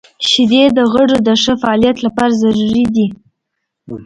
• شیدې د غړو د ښه فعالیت لپاره ضروري دي.